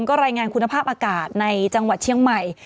ก็รายงานคุณภาพอากาศในจังหวัดเชียงใหม่